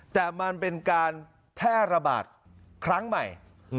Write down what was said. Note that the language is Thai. แต่มันเป็นการแพร่ระบาดครั้งใหม่